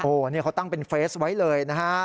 โอ้โหนี่เขาตั้งเป็นเฟสไว้เลยนะฮะ